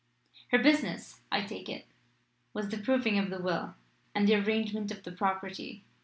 "Her business, I take it, was the proving of the will and the arrangement of the property."